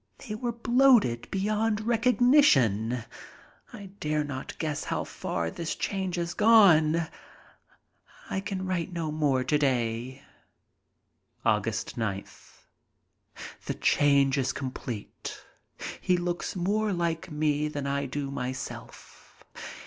They were bloated beyond recognition. I dare not guess how far this change has gone. I can write no more today. Aug. 9th. The change is complete. He looks more like me than I do myself.